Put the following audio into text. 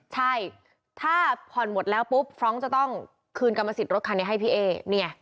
ใช่ถ้าผ่อนหมดแล้วปุ๊บฟรองก์จะต้องคืนกรรมสิทธิ์รถคันนี้ให้พี่เอ๊นี่ไง